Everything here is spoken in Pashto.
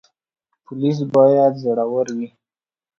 پولیس باید زړور وي